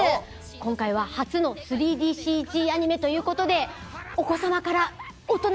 今回は初の３ＤＣＧアニメという事でお子様から大人まで。